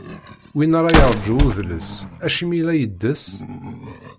Win ara yeṛǧu udles, acimi i la yeddes?